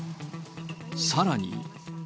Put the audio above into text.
さらに。